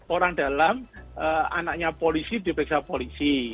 orang dalam anaknya polisi diperiksa polisi